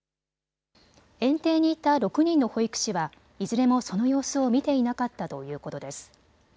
園庭にいた６人の保育士はいずれもその様子を見ていなかったということです。